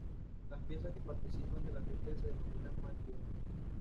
Las piezas que participan del ajuste se denominan macho y hembra.